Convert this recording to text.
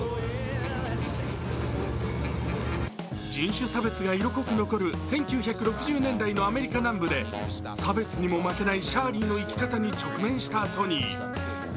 人種差別が色濃く残る１９６０年代のアメリカ南部で差別にも負けないシャーリーの生き方に直面したトニー。